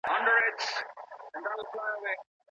هره ورځ څومره قدمونه باید ووهل سي؟